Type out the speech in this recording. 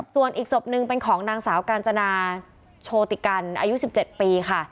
ส่วนอีกศพหนึ่งเป็นของนางสาวกาญจนาโชติกันอายุ๑๗ปีค่ะ